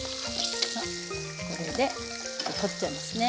これで取っちゃいますね。